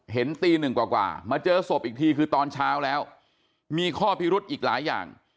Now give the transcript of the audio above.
ตีหนึ่งกว่ามาเจอศพอีกทีคือตอนเช้าแล้วมีข้อพิรุธอีกหลายอย่าง